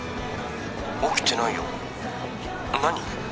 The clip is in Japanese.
☎起きてないよ☎何？